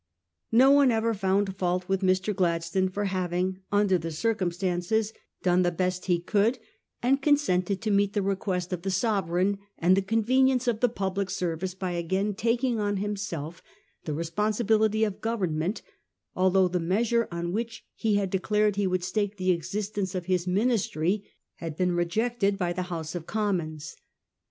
No one ever found fault with Mr. Gladstone for having, under the circumstances, done the best he could, and consented to meet the request of the Sovereign and the convenience of the public service by again taking on himself the responsibility of government, although the measure on which he had declared he would stake the existence of his Ministry had been rejected by the House of Com mons.